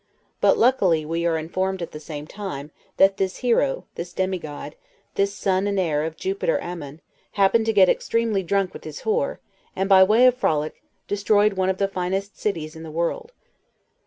But, luckily, we are informed at the same time, that this hero, this demi god, this son and heir of Jupiter Ammon, happened to get extremely drunk with his w e; and, by way of frolic, destroyed one of the finest cities in the world.